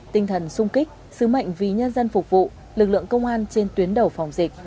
tinh thần sung kích sứ mệnh vì nhân dân phục vụ lực lượng công an trên tuyến đầu phòng dịch